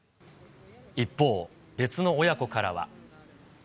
一方、別の親子からは。